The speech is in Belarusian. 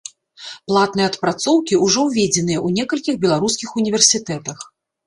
Платныя адпрацоўкі ўжо ўведзеныя ў некалькіх беларускіх універсітэтах.